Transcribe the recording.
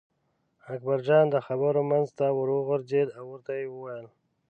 اکبرجان د خبرو منځ ته ور وغورځېد او ورته یې وویل.